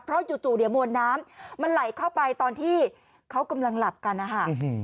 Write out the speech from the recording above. เพราะจู่เนี่ยมวลน้ำมันไหลเข้าไปตอนที่เขากำลังหลับกันนะคะ